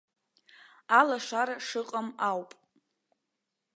Алашара шыҟам ауп.